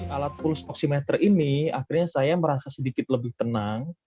alat pulus oksimeter ini akhirnya saya merasa sedikit lebih tenang